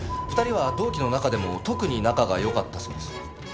２人は同期の中でも特に仲が良かったそうです。